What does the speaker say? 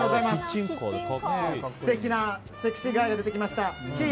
素敵なセクシーガイが出てきました。